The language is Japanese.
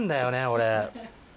俺。